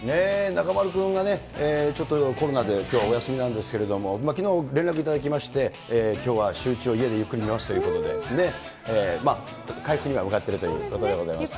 中丸君がね、ちょっとコロナできょうはお休みなんですけれども、きのう、連絡頂きまして、きょうはシューイチを家でゆっくり見ますということで、まあ、回復には向かっているということでございます。